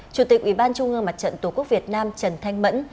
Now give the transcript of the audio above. chủ tịch ủy ban trung ương mặt trận tổ quốc việt nam trần thanh mẫn